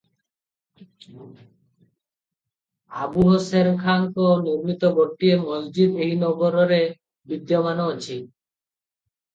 ଆବୁହସେରଖାଁଙ୍କ ନିର୍ମିତ ଗୋଟିଏ ମସଜିଦ୍ ଏହି ନଗରରେ ବିଦ୍ୟମାନ ଅଛି ।